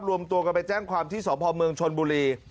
รวมตัวกันไปแจ้งความที่สพเมืองชนบุรี